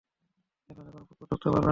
এখানে কোনও কুকুর ঢুকতে পারবে না!